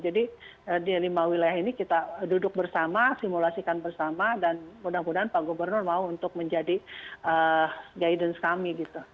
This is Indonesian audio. jadi di lima wilayah ini kita duduk bersama simulasikan bersama dan mudah mudahan pak gubernur mau untuk menjadi guidance kami gitu